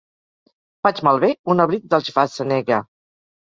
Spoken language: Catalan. Faig malbé un abric del Schwarzenegger.